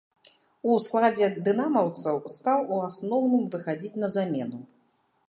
У складзе дынамаўцаў стаў у асноўным выхадзіць на замену.